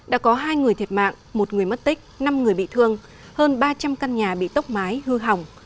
đã có hai người thiệt mạng một người mất tích năm người bị thương hơn ba trăm linh căn nhà bị tốc mái hư hỏng